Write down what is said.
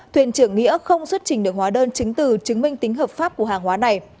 thuyền trưởng nghĩa không xuất trình được hóa đơn chứng từ chứng minh tính hợp pháp của hàng hóa này